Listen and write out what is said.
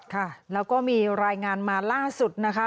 ค่ะแล้วก็มีรายงานมาล่าสุดนะคะ